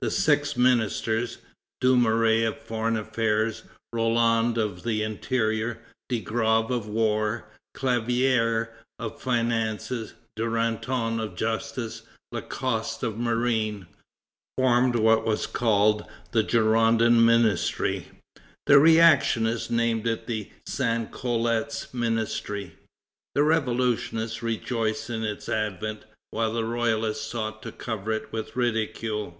The six ministers Dumouriez of Foreign Affairs, Roland of the Interior, De Grave of War, Claviére of Finances, Duranton of Justice, Lacoste of Marine formed what was called the Girondin ministry; the reactionists named it the sans culottes ministry. The revolutionists rejoiced in its advent, while the royalists sought to cover it with ridicule.